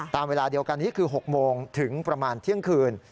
ตามเวลาเดียวกันนี้คือ๖โมงถึงประมาณเที่ยงคืน